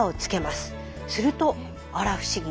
するとあら不思議。